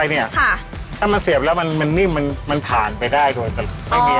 ทำไมไม่เอาถ่านไปไว้ด้านข้างไก่